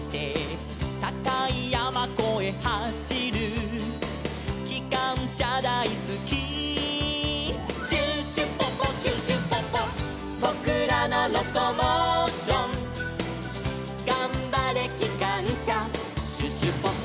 「たかいやまこえはしる」「きかんしゃだいすき」「シュシュポポシュシュポポ」「ぼくらのロコモーション」「がんばれきかんしゃシュシュポポ」